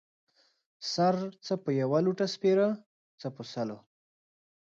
سر څه په يوه لوټۀ سپيره ، څه په سلو.